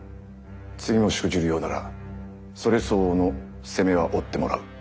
次もしくじるようならそれ相応の責めは負ってもらう。